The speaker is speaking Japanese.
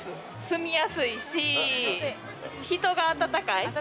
住みやすいし、人が温かい。